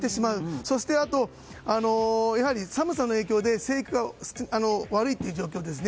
そして寒さの影響で生育が悪いという状況です。